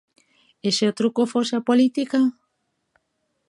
E se o truco fose a política?